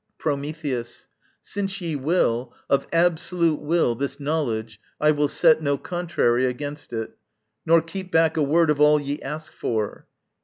Prometheus. Since ye will, Of absolute will, this knowledge, I will set No contrary against it, nor keep back A word of all ye ask for.